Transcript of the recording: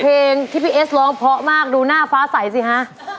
เพลงที่พี่เอสร้องเพราะมากดูหน้าฟ้าใสสิฮะ